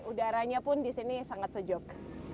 udaranya pun di sini sangat sejuk